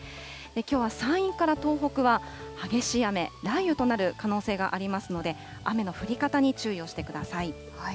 きょうは山陰から東北は激しい雨、雷雨となる可能性がありますので、雨の降り方に注意をしてください。